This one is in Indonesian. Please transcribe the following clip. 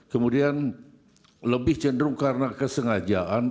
kemudian lebih cenderung karena kesengajaan